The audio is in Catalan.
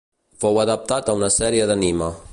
Fou adaptat a una sèrie d'anime.